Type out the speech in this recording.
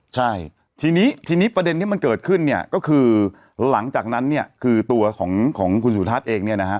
ใช่ทีนี้ทีนี้ประเด็นที่มันเกิดขึ้นเนี่ยก็คือหลังจากนั้นเนี่ยคือตัวของคุณสุทัศน์เองเนี่ยนะฮะ